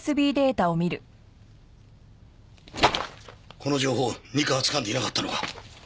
この情報二課はつかんでいなかったのか？